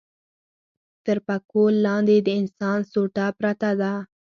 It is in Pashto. تر پکول لاندې د انسان سوټه پرته ده.